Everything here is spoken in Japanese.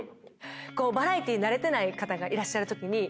バラエティ慣れてない方がいらっしゃるときに。